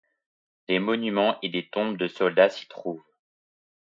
Des monuments et des tombes de soldats s'y trouvent.